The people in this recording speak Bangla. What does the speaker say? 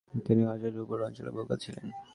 প্রাচীন আর্যেরা উত্তর অঞ্চলে বহুকাল ছিলেন।